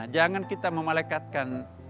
jangan kita memalekatkan